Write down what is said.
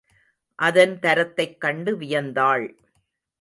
அதன் தரத்தைக் கண்டு வியந்தாள்.